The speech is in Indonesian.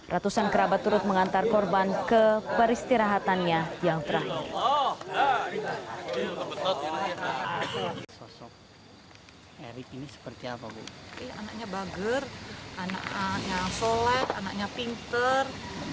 ratusan kerabat turut mengantar korban ke peristirahatannya yang terakhir